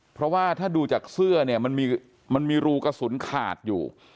เพราะว่าถ้าดูจากเสื้อเนี่ยมันมีรูกระสุนขาดอยู่